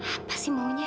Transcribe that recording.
apa sih maunya